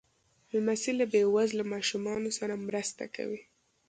لمسی له بې وزله ماشومانو سره مرسته کوي.